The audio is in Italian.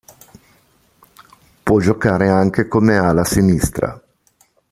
Può giocare anche come ala sinistra.